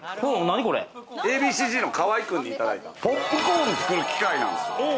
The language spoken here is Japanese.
Ａ．Ｂ．Ｃ−Ｚの河合くんにいただいたポップコーン作る機械なんですよ。